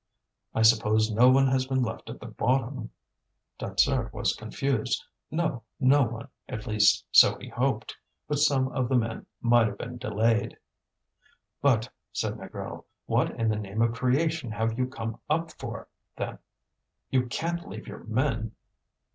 "I suppose no one has been left at the bottom?" Dansaert was confused. No, no one; at least, so he hoped. But some of the men might have been delayed. "But," said Négrel, "what in the name of creation have you come up for, then? You can't leave your men!"